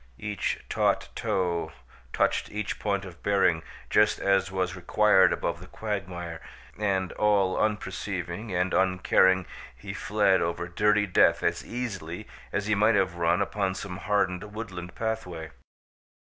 Each taut toe touched each point of bearing just as was required above the quagmire, and, all unperceiving and uncaring, he fled over dirty death as easily as he might have run upon some hardened woodland pathway.